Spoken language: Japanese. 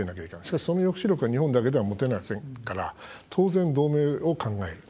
しかし、その抑止力は日本だけでは持てないから当然、同盟を考える。